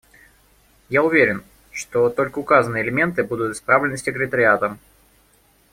Я уверен, что только указанные элементы будут исправлены секретариатом.